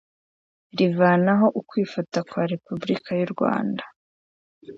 rivanaho ukwifata kwa repubulika y u rwanda